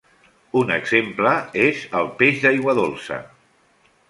Un exemple és el peix d’aigua dolça.